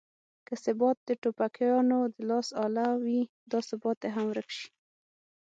که ثبات د ټوپکیانو د لاس اله وي دا ثبات دې هم ورک شي.